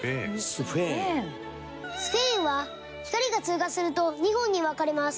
スフェーンは光が通過すると２本に分かれます。